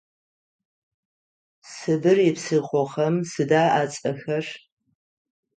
Сыбыр ипсыхъохэм сыда ацӏэхэр?